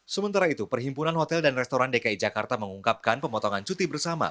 sementara itu perhimpunan hotel dan restoran dki jakarta mengungkapkan pemotongan cuti bersama